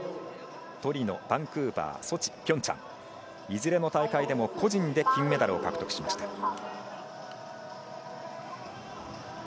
トリノ、バンクーバー、ソチ、ピョンチャン、いずれの大会でも個人で金メダルを獲得しました。